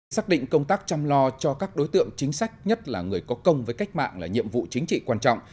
xác định công tác chăm lo cho các đối tượng chính sách nhất là người có công với cách mạng là nhiệm vụ chính trị quan trọng